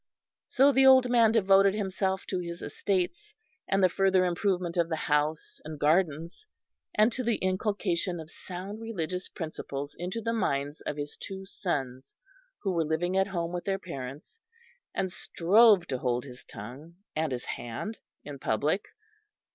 So the old man devoted himself to his estates and the further improvement of the house and gardens, and to the inculcation of sound religious principles into the minds of his two sons who were living at home with their parents; and strove to hold his tongue, and his hand, in public.